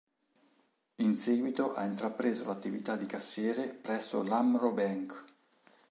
In seguito ha intrapreso l'attività di cassiere presso l'Amro Bank.